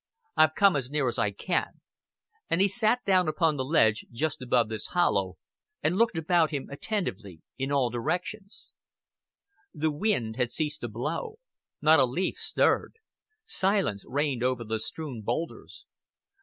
I've come as near as I can;" and he sat down upon the ledge just above this hollow, and looked about him, attentively, in all directions. The wind had ceased to blow; not a leaf stirred; silence reigned over the strewn boulders.